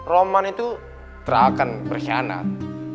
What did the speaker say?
roman itu terakan perkhianat